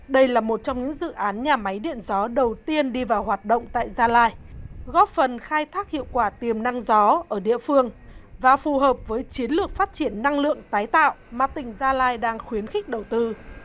đây là một trong những dự án nhà máy điện gió đầu tiên đi vào hoạt động tại gia lai góp phần khai thác hiệu quả tiềm năng gió ở địa phương và phù hợp với chiến lược phát triển năng lượng tái tạo mà tỉnh gia lai đang khuyến khích đầu tư